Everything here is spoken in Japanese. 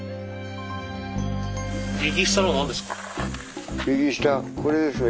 右下のは何ですか？